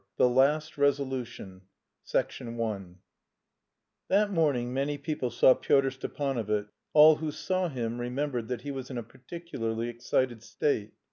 THE LAST RESOLUTION I THAT MORNING MANY people saw Pyotr Stepanovitch. All who saw him remembered that he was in a particularly excited state.